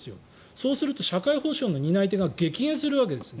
そうすると社会保障の担い手が激減するわけです。